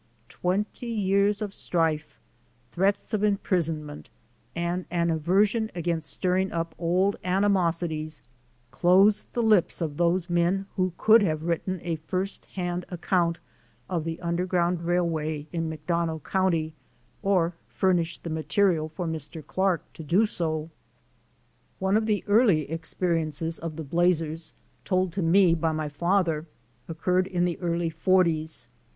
Twenty years of strife, threats of imprison ment, and an aversion against stirring up old animosities closed the lips of those men who could have written a first hand account of the underground railway in McDonough county or furnished the material for Mr. Clark to do so. Vol. XV, Nos. 3 4 Underground Railroad 585 One of the early experiences of the Blazers, told to me by my father, occurred in the early 'forties.